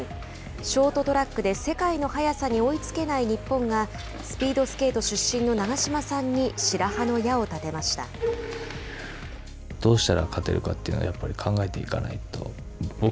ショートトラックで世界の速さに追いつけない日本がスピードスケート出身の長島さんに白羽の矢を立てました。